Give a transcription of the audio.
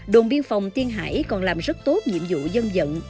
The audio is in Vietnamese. đồn biên phòng tiên hải còn làm rất tốt nhiệm vụ dân dận